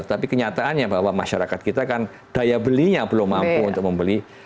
tapi kenyataannya bahwa masyarakat kita kan daya belinya belum mampu untuk membeli